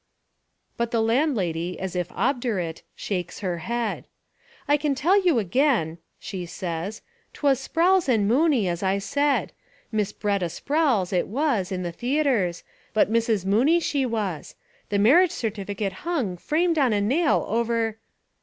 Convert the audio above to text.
But the landlady, as If obdurate, shakes her head. "I can tell you again," she says, " 'twas Sprowls and Mooney, as I said. Miss B'retta Sprowls, it was, In the theatres, but Missis Mooney she was. The marriage certificate hung, framed, on a nail over